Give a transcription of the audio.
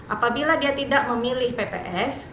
apabila dia tidak memilih pps